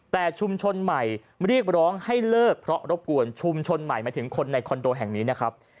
แต่ชุมชนใหม่เรียกร้องให้เลิกเพราะรบกวนชุมชนใหม่หมายถึงคนในคอนโดแห่งนี้นะครับ